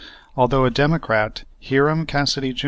Although a Democrat, Hiram Cassidy, Jr.